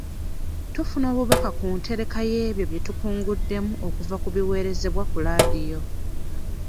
Tufuna obubaka ku ntereka y'ebyo bye tukungudde okuva ku biweerezebwa ku laadiyo.